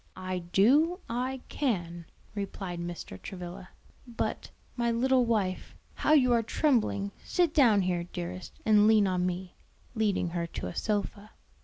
"I do; I can," replied Mr. Travilla. "But, my little wife, how you are trembling! Sit down here, dearest, and lean on me," leading her to a sofa.